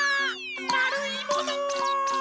まるいもの！